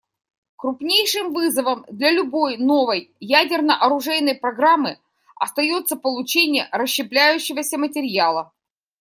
Крупнейшим вызовом для любой новой ядерно-оружейной программы остается получение расщепляющегося материала.